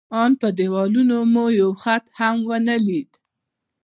ان پر دېوالونو مو یو خط هم ونه لید.